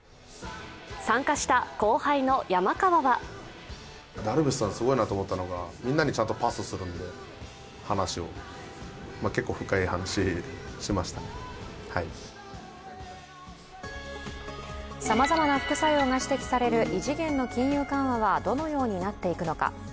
参加した後輩の山川はさまざまな副作用が指摘される異次元の金融緩和はどのようになっていくのか。